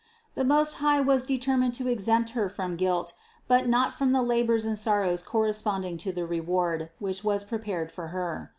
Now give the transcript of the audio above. The Most High had determined to exempt Her from guilt, but not from the labors and sorrows corres ponding to the reward, which was prepared for Her.